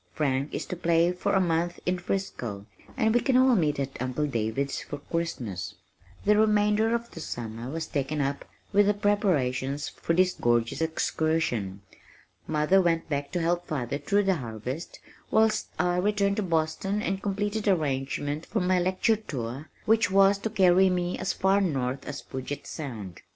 Frank is to play for a month in Frisco, and we can all meet at Uncle David's for Christmas." The remainder of the summer was taken up with the preparations for this gorgeous excursion. Mother went back to help father through the harvest, whilst I returned to Boston and completed arrangements for my lecture tour which was to carry me as far north as Puget Sound.